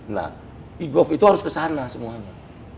nah e gov itu harus kesana semuanya